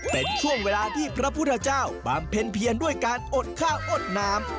เป็นช่วงเวลาที่พระพุทธเจ้าบำเพ็ญเพียนด้วยการอดข้าวอดน้ำ